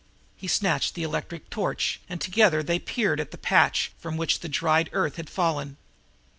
He snatched the electric torch, and together they peered at the patch from which the dried earth had fallen.